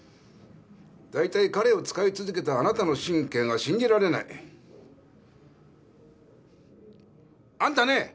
だいたい彼を使い続けたあなたの神経が信じられない。あんたね！